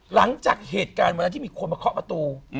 หลังจากเหตุการณ์วันนั้นที่มีคนมาเคาะประตู